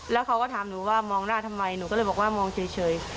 แล้วเขาก็ถามหนูว่ามองหน้าทำไมหนูก็เลยบอกว่ามองเฉย